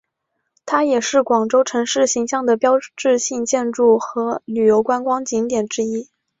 它也是广州城市形象的标志性建筑和旅游观光景点之一。